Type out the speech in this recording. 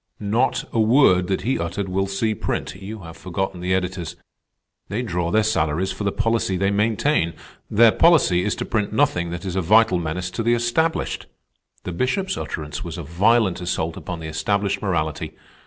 "Not a word that he uttered will see print. You have forgotten the editors. They draw their salaries for the policy they maintain. Their policy is to print nothing that is a vital menace to the established. The Bishop's utterance was a violent assault upon the established morality.